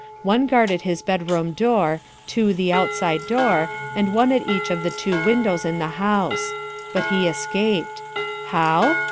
One guarded his bedroom door, two the outside door, and one at each of the two windows in the house. But he escaped. How?